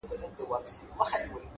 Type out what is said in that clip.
راكيټونو دي پر ما باندي را اوري!!